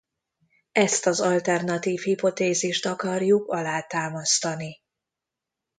Ezt az alternatív hipotézist akarjuk alátámasztani.